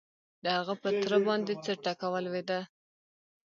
د هغه په تره باندې څه ټکه ولوېده؟